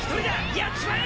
やっちまえ！